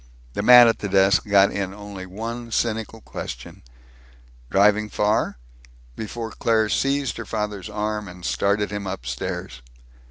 The man at the desk got in only one cynical question, "Driving far?" before Claire seized her father's arm and started him upstairs.